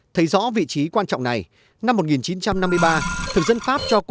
thấy rõ vị trí quan trọng này năm một nghìn chín trăm năm mươi ba